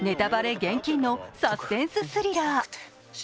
厳禁のサスペンススリラー。